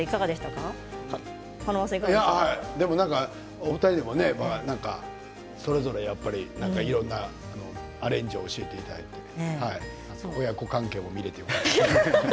お二人それぞれいろんなアレンジを教えていただいて親子関係も見られて。